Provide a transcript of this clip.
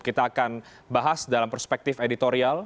kita akan bahas dalam perspektif editorial